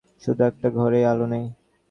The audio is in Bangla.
শুধু একটা ঘরেই আলো নেই।